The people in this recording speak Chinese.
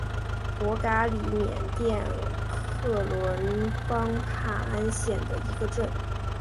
博嘎里缅甸克伦邦帕安县的一个镇。